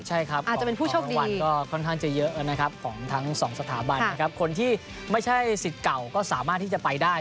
ใช่ครับอาจจะเป็นผู้โชครางวัลก็ค่อนข้างจะเยอะนะครับของทั้งสองสถาบันนะครับคนที่ไม่ใช่สิทธิ์เก่าก็สามารถที่จะไปได้